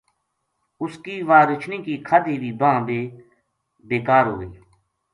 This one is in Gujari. اس کی واہ رچھنی کی کھادی وی بانہہ بے کار ہو گئی